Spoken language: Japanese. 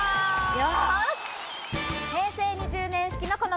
よし！